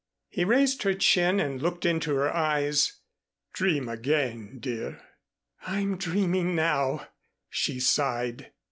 He raised her chin and looked into her eyes. "Dream again, dear." "I'm dreaming now," she sighed.